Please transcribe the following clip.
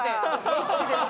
「１です」。